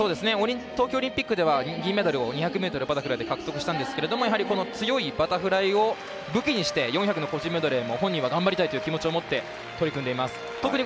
東京オリンピックでは銀メダルを２００ｍバタフライで獲得したんですけどやはり強いバタフライを武器にして４００の個人メドレーも本人も頑張りたいという気持ちを持っています。